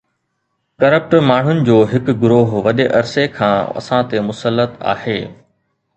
Corrupt ماڻهن جو هڪ گروهه وڏي عرصي کان اسان تي مسلط آهي.